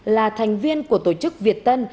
là thành viên của tổ chức việt tân